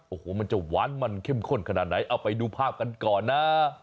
โอ้โหมันจะหวานมันเข้มข้นขนาดไหนเอาไปดูภาพกันก่อนนะ